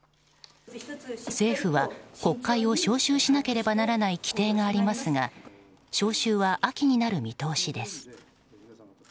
政府は国会を召集しなければならない規定がありますが召集は秋になる見通しです。